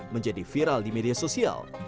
menjadi viral di media sosial